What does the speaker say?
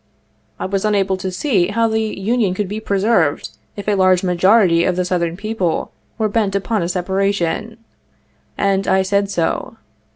I was unable to see how the Union could be preserved if a large majority of the Southern people were bent upon a separation, and I said so.